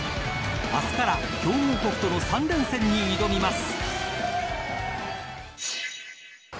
明日から強豪国との３連戦に挑みます。